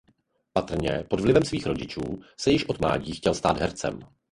Patrně pod vlivem svých rodičů se již od mládí chtěl stát hercem.